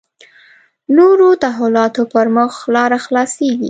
نورو تحولاتو پر مخ لاره خلاصېږي.